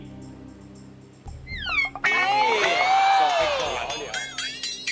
ส่งไปก่อน